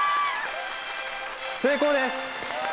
成功です！